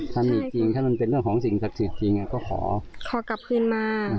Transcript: ถ้ามีจริงถ้ามันเป็นเรื่องของสิ่งศักดิ์สิทธิ์จริงก็ขอขอกลับคืนมา